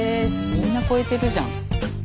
みんな超えてるじゃん。